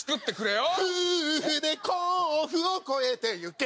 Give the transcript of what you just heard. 「夫婦で甲府を超えてゆけ」